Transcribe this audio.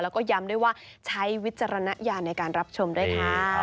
แล้วก็ย้ำด้วยว่าใช้วิจารณญาณในการรับชมด้วยค่ะ